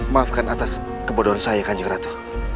maafkan atas kebodohan saya kanjeng ratu